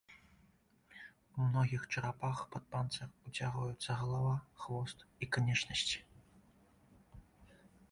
У многіх чарапах пад панцыр уцягваюцца галава, хвост і канечнасці.